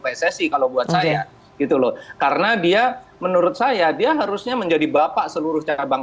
pssi kalau buat saya gitu loh karena dia menurut saya dia harusnya menjadi bapak seluruh cabang